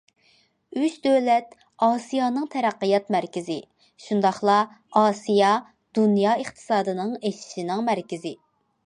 ئۈچ دۆلەت ئاسىيانىڭ تەرەققىيات مەركىزى، شۇنداقلا ئاسىيا، دۇنيا ئىقتىسادىنىڭ ئېشىشىنىڭ مەركىزى.